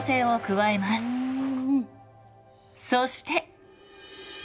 そして。